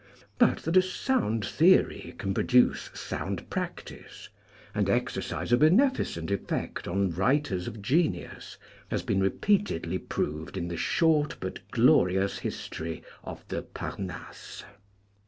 But that a sound theory can produce sound prac tice, and exercise a beneficent effect on writers of genius, has been repeatedly proved in the short but glorious history of the " Parnasse."